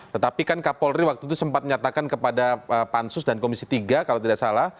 tetapi kan kapolri waktu itu sempat menyatakan kepada pansus dan komisi tiga kalau tidak salah